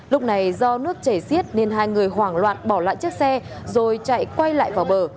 lúc này do nước chảy xiết nên hai người hoảng loạn bỏ lại chiếc xe rồi chạy quay lại vào bờ